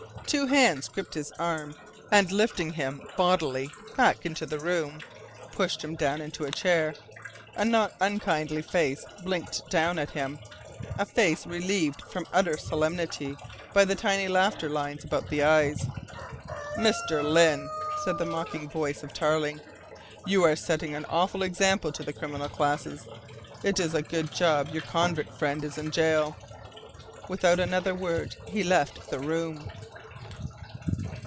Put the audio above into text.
Two hands gripped his arm and lifting him bodily back into the room, pushed him down into a chair. A not unkindly face blinked down at him, a face relieved from utter solemnity by the tiny laughter lines about the eyes. "Mr. Lyne," said the mocking voice of Tarling, "you are setting an awful example to the criminal classes. It is a good job your convict friend is in gaol." Without another word he left the room.